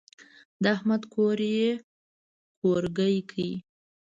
د احمد کور يې کورګی کړ.